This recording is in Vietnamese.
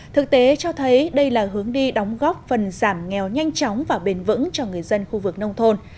thực tế cho thấy đây là hướng đi đóng góp phần giảm nghèo nhanh chóng và bền vững cho người dân khu vực nông thôn